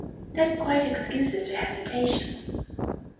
"That quite excuses your hesitation."